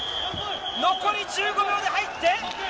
残り１５秒で入って。